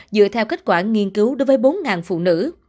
dựa theo kết quả nghiên cứu đối với bốn phụ nữ